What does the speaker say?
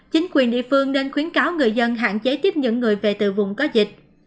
chính quyền địa phương nên khuyến cáo người dân hạn chế tiếp những người về từ vùng có dịch